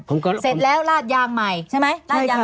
เสร็จแล้วราดยางใหม่ใช่ไหม